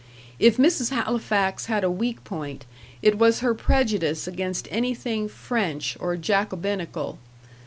If Mrs. Halifax had a weak point, it was her prejudice against anything French or Jacobinical.